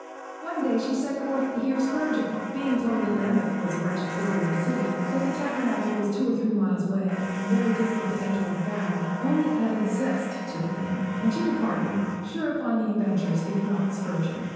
One day she set forth to hear Spurgeon. Being told that Lambeth was a wretched quarter of the city, that the Tabernacle was two or three miles away, and very difficult to enter when found, only added zest to the thing, and she departed, sure of finding adventures, if not Spurgeon.